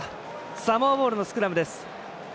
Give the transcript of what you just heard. サモアボールのスクラムです。